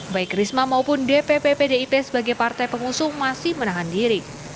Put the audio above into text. baik risma maupun dpp pdip sebagai partai pengusung masih menahan diri